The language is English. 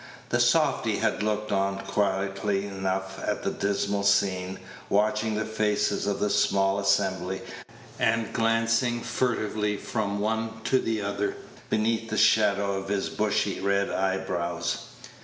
The softy had looked on quietly enough at the dismal scene, watching the faces of the small assembly, and glancing furtively from one to another beneath the shadow of his bushy red eyebrows.